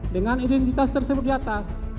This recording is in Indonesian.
dengan identitas tersebut di atas